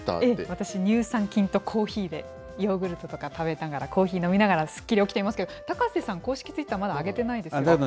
私、乳酸菌とコーヒーで、ヨーグルトとか食べながら、コーヒー飲みながら、すっきり起きていますけれども、高瀬さん、公式ツイッター、まだ上げてないですよ。